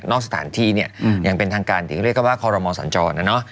นอกสถานที่ยังเป็นทางการติดเรียกว่าคอรมศ์สอนจรนะเนอะ